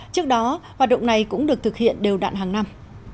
trước đó hoạt động này cũng được thực hiện đều đạn hàng năm